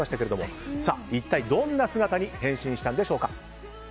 一体どんな姿に変身したんでしょうか。